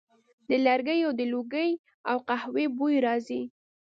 د لرګیو د لوګي او قهوې بوی راځي